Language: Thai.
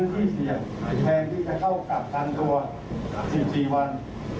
ในที่จะเข้ากลับกันตัว๑๔วัน